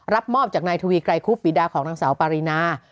รับมอบจากนายทวีไกรคุบปีดาของนางสาวปารีนา